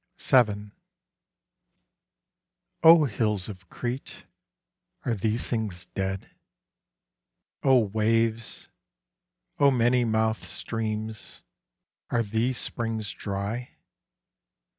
7 O hills of Crete, are these things dead? O waves, O many mouthed streams, are these springs dry?